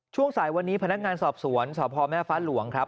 ช่วงสายวันนี้พนักงานสอบสวนสพแม่ฟ้าหลวงครับ